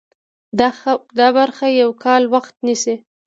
دا برخه یو کال وخت نیسي.